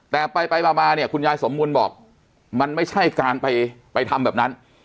แต่ไปมาเนี่ยคุณยายสมบูรณ์บอกมันไม่ใช่การไปทำแบบนั้น